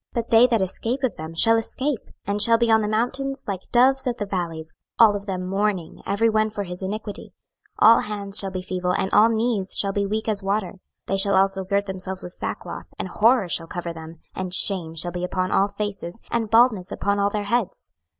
26:007:016 But they that escape of them shall escape, and shall be on the mountains like doves of the valleys, all of them mourning, every one for his iniquity. 26:007:017 All hands shall be feeble, and all knees shall be weak as water. 26:007:018 They shall also gird themselves with sackcloth, and horror shall cover them; and shame shall be upon all faces, and baldness upon all their heads.